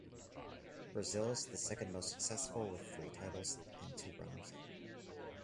Brazil is the second-most successful with three titles and two runners-up.